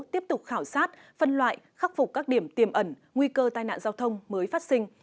tiếp tục khảo sát phân loại khắc phục các điểm tiềm ẩn nguy cơ tai nạn giao thông mới phát sinh